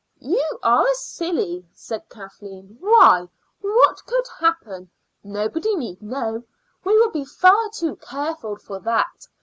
"You are a silly!" said Kathleen. "Why, what could happen? Nobody need know; we will be far too careful for that.